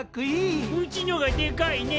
うちのがでかいね！